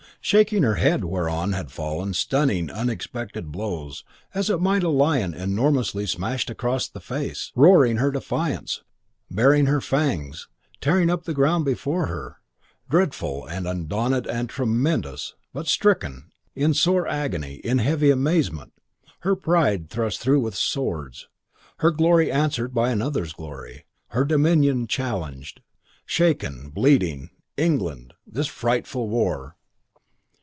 Shaking her head whereon had fallen stunning and unexpected blows, as it might be a lion enormously smashed across the face; roaring her defiance; baring her fangs; tearing up the ground before her; dreadful and undaunted and tremendous; but stricken; in sore agony; in heavy amazement; her pride thrust through with swords; her glory answered by another's glory; her dominion challenged; shaken, bleeding. England.... This frightful war!